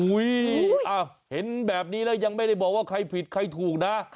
อุ้ยอ้าวเห็นแบบนี้แล้วยังไม่ได้บอกว่าใครผิดใครถูกนะค่ะ